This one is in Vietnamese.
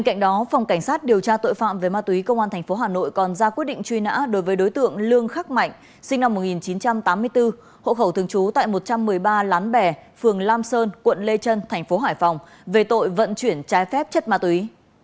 trong đó phòng cảnh sát điều tra tội phạm về ma túy công an tp hà nội còn ra quyết định truy nã đối với đối tượng lương khắc mạnh sinh năm một nghìn chín trăm tám mươi bốn hộ khẩu thường trú tại một trăm một mươi ba lán bè phường lam sơn quận lê trân thành phố hải phòng về tội vận chuyển trái phép chất ma túy